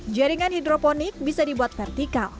jaringan hidroponik bisa dibuat vertikal